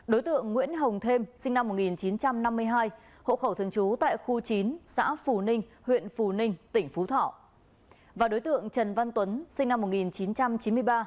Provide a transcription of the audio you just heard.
để truy nã tội phạm